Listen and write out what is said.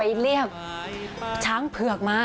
เรียกช้างเผือกมา